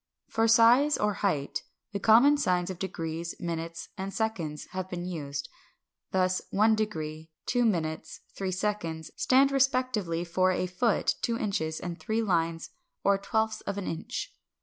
579. For size or height, the common signs of degrees, minutes, and seconds, have been used, thus, 1°, 2', 3", stand respectively for a foot, two inches, and three lines or twelfths of an inch.